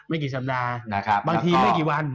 ไม่กี่สัปดาห์นะครับบางทีไม่กี่วัน